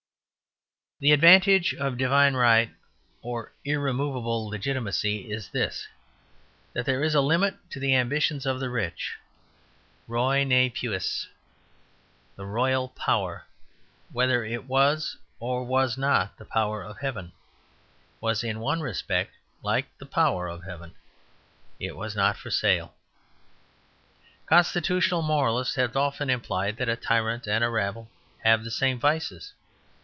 The advantage of "divine right," or irremovable legitimacy, is this; that there is a limit to the ambitions of the rich. "Roi ne puis"; the royal power, whether it was or was not the power of heaven, was in one respect like the power of heaven. It was not for sale. Constitutional moralists have often implied that a tyrant and a rabble have the same vices.